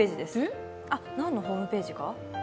何のホームページか？